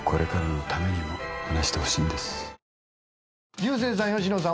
竜星さん吉野さん